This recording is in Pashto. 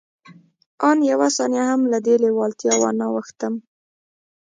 آن يوه ثانيه هم له دې لېوالتیا وانه وښتم.